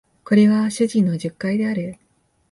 これは主人の述懐である